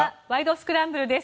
スクランブル」です。